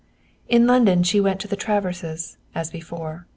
In London she went to the Traverses, as before.